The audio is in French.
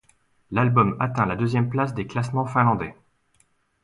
L'album atteint la deuxième place des classements finlandais.